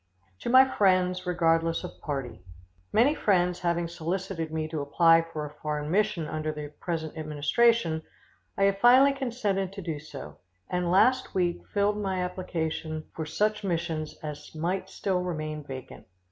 To my friends, regardless of party. Many friends having solicited me to apply for a foreign mission under the present administration, I have finally consented to do so, and last week filed my application for such missions as might still remain vacant.